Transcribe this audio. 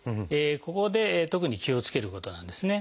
ここで特に気をつけることなんですね。